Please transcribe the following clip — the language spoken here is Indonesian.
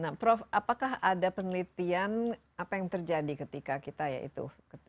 nah prof apakah ada penelitian apa yang terjadi ketika kita ya itu